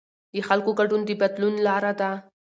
د خلکو ګډون د بدلون لاره ده